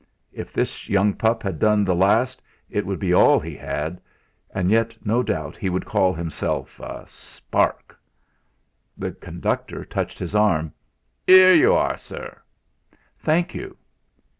If this young pup had done the last, it would be all he had; and yet, no doubt, he would call himself a "spark." The conductor touched his arm. "'Ere you are, sir." "Thank you."